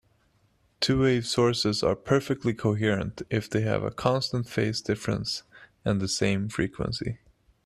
Two-wave sources are perfectly coherent if they have a constant phase difference and the same frequency.